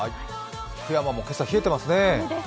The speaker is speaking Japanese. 福山も今朝、冷えていますね